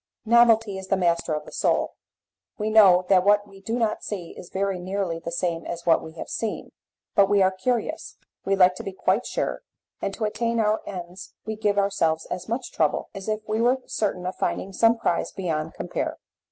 Novelty is the master of the soul. We know that what we do not see is very nearly the same as what we have seen, but we are curious, we like to be quite sure, and to attain our ends we give ourselves as much trouble as if we were certain of finding some prize beyond compare.